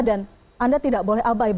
dan anda tidak boleh abai abai